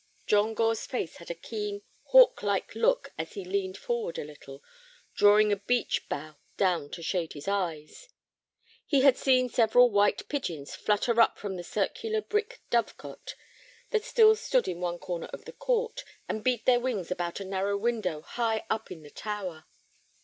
John Gore's face had a keen, hawk like look as he leaned forward a little, drawing a beech bough down to shade his eyes. He had seen several white pigeons flutter up from the circular brick dove cote that still stood in one corner of the court, and beat their wings about a narrow window high up in the tower.